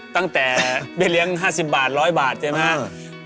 ตั้งแต่ไปเรียง๕๐บาท๑๐๐บาทใช่ไหม